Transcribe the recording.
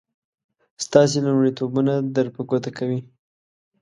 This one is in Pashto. ستاسې لومړيتوبونه در په ګوته کوي.